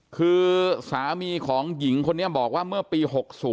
คือสามีของหญิงคนนี้บอกว่าเมื่อปี๖๐